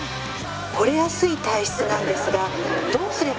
惚れやすい体質なんですがどうすればいいですか？